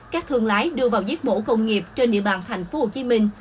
các thương lái đưa vào giết mổ công nghiệp trên địa bàn thành phố hồ chí minh